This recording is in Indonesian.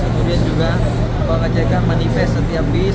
kemudian juga pengecekan manifest setiap bis